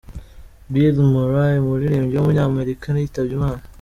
Billy Murray, umuririmbyi w’umunyamerika yitabye Imana.